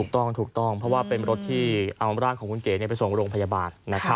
ถูกต้องถูกต้องเพราะว่าเป็นรถที่เอาร่างของคุณเก๋ไปส่งโรงพยาบาล